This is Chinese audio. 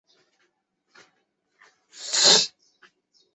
绛县华溪蟹为溪蟹科华溪蟹属的动物。